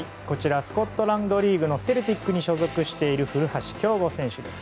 スコットランドリーグのセルティックに所属している古橋亨梧選手です。